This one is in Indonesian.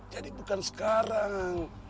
jadi bukan sekarang